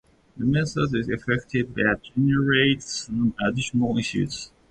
The method is effective, but generates some additional issues.